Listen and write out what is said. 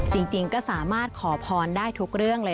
จริงก็สามารถขอพรได้ทุกเรื่องเลย